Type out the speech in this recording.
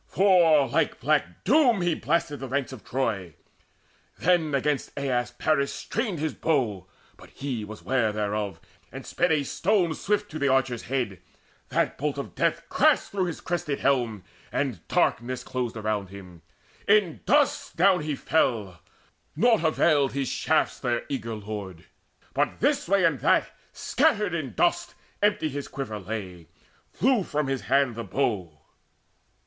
For like black Doom he blasted the ranks of Troy. Then against Aias Paris strained his bow; But he was ware thereof, and sped a stone Swift to the archer's head: that bolt of death Crashed through his crested helm, and darkness closed Round him. In dust down fell he: naught availed His shafts their eager lord, this way and that Scattered in dust: empty his quiver lay, Flew from his hand the bow.